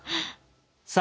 さあ